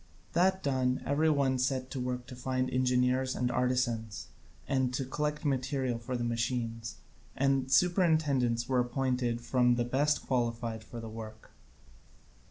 That done, every one set to work to find engineers and artisans and to collect material for the machines; and superintendents were appointed from those best qualified for the work.